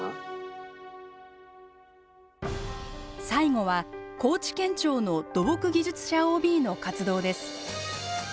最後は高知県庁の土木技術者ＯＢの活動です。